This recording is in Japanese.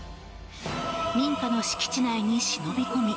民家の敷地内に忍び込み